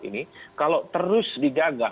ini kalau terus digaga